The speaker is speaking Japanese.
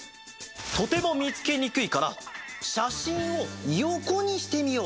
とてもみつけにくいからしゃしんをよこにしてみよう。